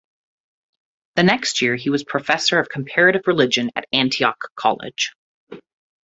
The next year he was professor of comparative religion at Antioch College.